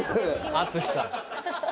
淳さん。